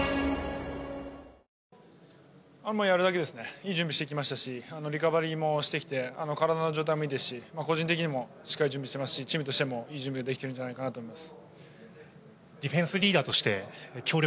いい準備してきましたしリカバリーもしてきて身体の状態もいいですし個人的にもしっかり準備してますしチームとしても非常にいい準備できているんじゃないかなと思います。